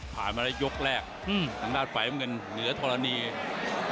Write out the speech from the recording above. หมดยกที่หนึ่ง